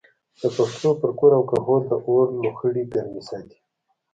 د پښتنو پر کور او کهول د اور لوخړې ګرمې ساتي.